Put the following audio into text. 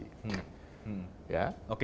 yang selama ini kita pakai